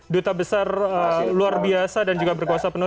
duta besar luar biasa dan juga berkuasa penuh